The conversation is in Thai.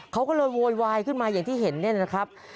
เขาก็เลยโวยวายขึ้นมาอย่างที่เห็นเนี่ยนะครับ